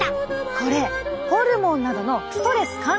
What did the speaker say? これホルモンなどのストレス関連物質。